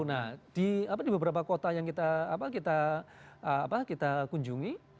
nah di beberapa kota yang kita kunjungi